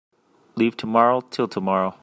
Leave tomorrow till tomorrow.